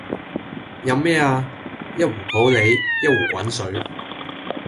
飲咩呀？一壺普洱，一壺滾水